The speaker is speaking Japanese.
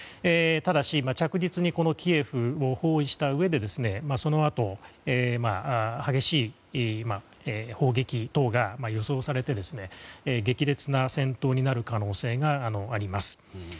ただし、着実にキエフを包囲したうえでそのあと激しい砲撃等が予想されて激烈な戦闘になる可能性があります。